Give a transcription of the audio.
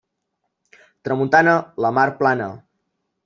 Tramuntana, la mar plana.